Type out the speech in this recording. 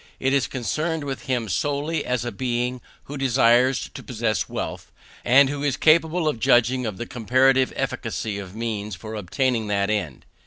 It is concerned with him solely as a being who desires to possess wealth, and who is capable of judging of the comparative efficacy of means for obtaining that end.